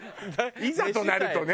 いざとなるとね。